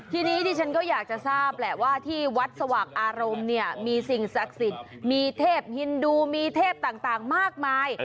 ทีนี้ดิฉันก็อยากจะทราบแหละว่าที่วัดสว่างอารมณ์เนี่ยมีสิ่งศักดิ์สิทธิ์มีเทพฮินดูมีเทพต่างมากมาย